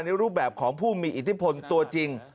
รูปแบบของผู้มีอิทธิพลตัวจริง